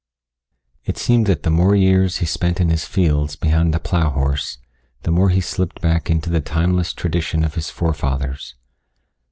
It seemed that the more years he spent in his fields behind the plow horse, the more he slipped back into the timeless tradition of his forefathers.